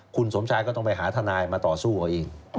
คุณสมชายก็ต้องไปหาทนายมาต่อสู้เอาเอง